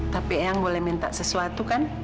tapi yang boleh minta sesuatu kan